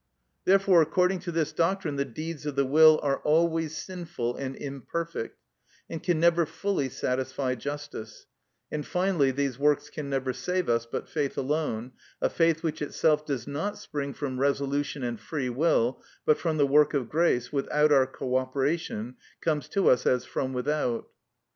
Therefore according to this doctrine the deeds of the will are always sinful and imperfect, and can never fully satisfy justice; and, finally, these works can never save us, but faith alone, a faith which itself does not spring from resolution and free will, but from the work of grace, without our co operation, comes to us as from without.